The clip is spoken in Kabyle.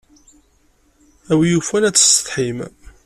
A win yufan ad tessetḥim.